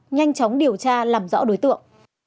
nhanh chóng điều tra làm rõ đối tượng